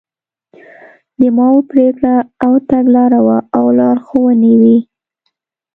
د ماوو پرېکړه او تګلاره وه او لارښوونې وې.